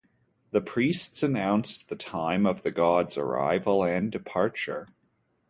The priests announced the time of the god's arrival and departure.